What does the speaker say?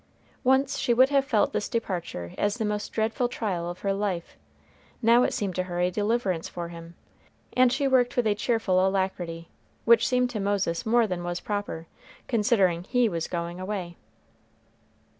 Once she would have felt this departure as the most dreadful trial of her life. Now it seemed to her a deliverance for him, and she worked with a cheerful alacrity, which seemed to Moses more than was proper, considering he was going away.